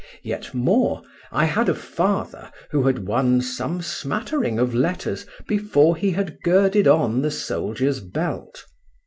Yet more, I had a father who had won some smattering of letters before he had girded on the soldier's belt.